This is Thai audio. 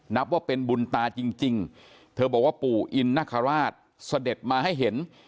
นับว่าเป็นบุญตาจริงเธอบอกว่าปู่อินนคราชเสด็จมาให้เห็น